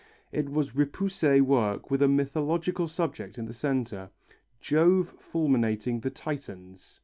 It was repoussé work with a mythological subject in the centre, "Jove fulminating the Titans."